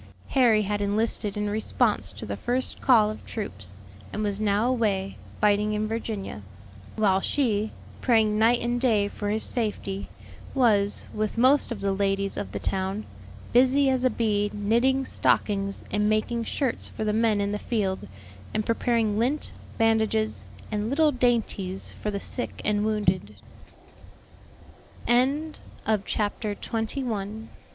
Harry had enlisted in response to the first call of troops, and was now away, fighting in Virginia; while she, praying night and day for his safety, was, with most of the ladies of the town, busy as a bee knitting stockings and making shirts for the men in the field, and preparing lint, bandages, and little dainties for the sick and wounded. CHAPTER TWENTY SECOND.